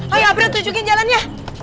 ayo april tunjukin jalannya